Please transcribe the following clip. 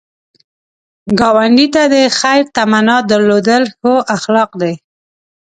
ګاونډي ته د خیر تمنا درلودل ښو اخلاق دي